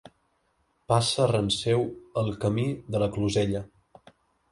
Passa ran seu el Camí de la Closella.